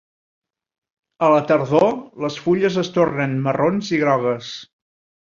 A la tardor, les fulles es tornen marrons i grogues.